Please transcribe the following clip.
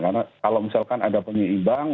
karena kalau misalkan ada penyeimbang